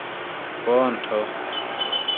fonto